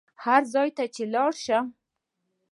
هر ځای ته چې لاړ شم.